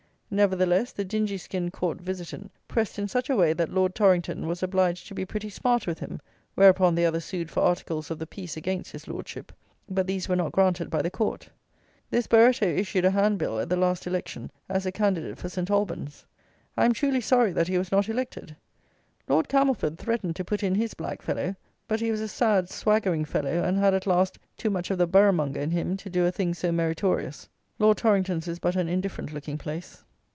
Nevertheless, the dingy skinned Court visitant pressed in such a way that Lord Torrington was obliged to be pretty smart with him, whereupon the other sued for articles of the peace against his Lordship; but these were not granted by the Court. This Barretto issued a hand bill at the last election as a candidate for St. Albans. I am truly sorry that he was not elected. Lord Camelford threatened to put in his black fellow; but he was a sad swaggering fellow; and had, at last, too much of the borough monger in him to do a thing so meritorious. Lord Torrington's is but an indifferent looking place.